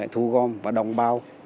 thu gom và đồng bao